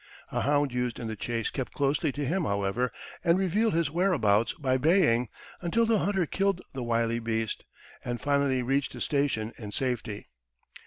A hound used in the chase kept closely to him, however, and revealed his whereabouts by baying, until the hunter killed the wily beast, and finally reached his station in safety.